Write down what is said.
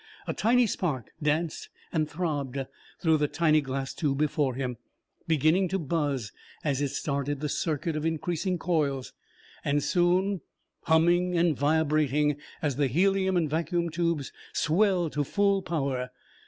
A tiny spark danced and throbbed through the tiny glass tube before him, beginning to buzz as it started the circuit of increasing coils, and soon humming and vibrating as the helium and vacuum tubes swelled it to full power.